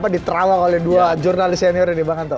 diterawa oleh dua jurnalist senior ini bang anto